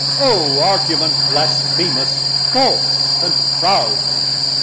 O argument blasphemous, false and proud!